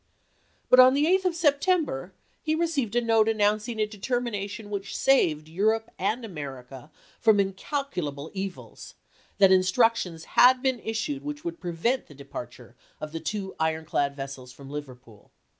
But on the 8th of September he received a note announcing a determination which saved Europe and America from incalculable evils, that instructions had been issued which would prevent the departure of the two iron clad vessels from Liverpool.